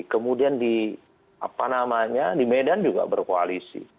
kemudian di medan juga berkoalisi